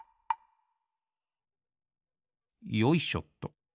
よいしょっと！